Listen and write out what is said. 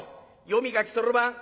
読み書きそろばん。